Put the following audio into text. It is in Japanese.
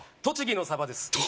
栃木のサバです